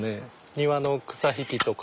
庭の草引きとか。